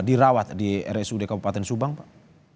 ada yang merawat di rsud kabupaten subang pak